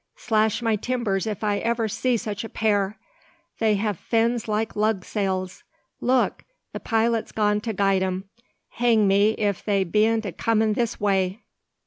Slash my timbers if I iver see such a pair! They have fins like lug sails. Look! the pilot's gone to guide 'em. Hang me if they bean't a comin' this way!"